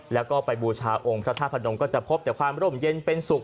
แล้วก็ไปบูชาองค์พระธาตุพนมก็จะพบแต่ความร่มเย็นเป็นสุข